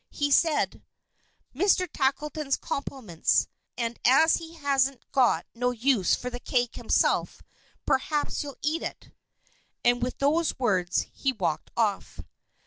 He said: "Mr. Tackleton's compliments, and as he hasn't got no use for the cake himself, perhaps you'll eat it." And with these words, he walked off.